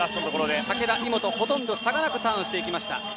竹田、井本ほとんど差がなくターンしました。